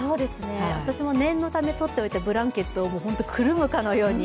私も念のためにとっておいたブランケットにくるまるように。